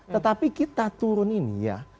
tetapi kita turun ini ya